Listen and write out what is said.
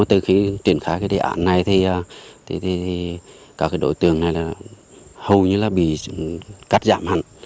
từ khi triển khai đề án này thì các đội tường này hầu như bị cắt giảm hẳn